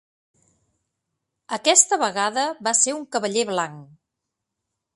Aquesta vegada va ser un Cavaller Blanc.